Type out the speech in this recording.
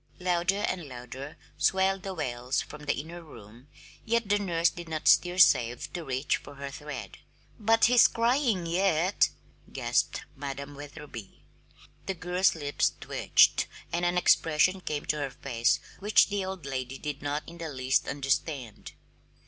Louder and louder swelled the wails from the inner room, yet the nurse did not stir save to reach for her thread. "But he's crying yet!" gasped Madam Wetherby. The girl's lips twitched and an expression came to her face which the little old lady did not in the least understand.